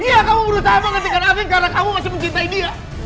iya kamu berusaha menghentikan api karena kamu masih mencintai dia